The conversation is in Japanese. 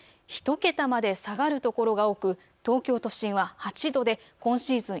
１桁まで下がる所が多く東京都心は８度で今シーズン